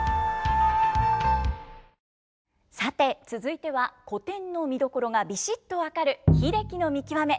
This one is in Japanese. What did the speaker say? さて続いては古典の見どころがビシッと分かる英樹さん